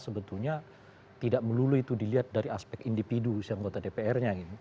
sebetulnya tidak melulu itu dilihat dari aspek individu si anggota dpr nya